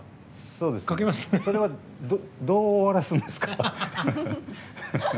それはどう終わらせるんですか？